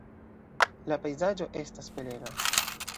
La pejzaĝo estas belega.